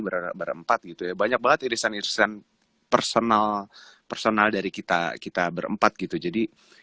berada berempat gitu ya banyak banget irisan irisan personal personal dari kita kita berempat gitu jadi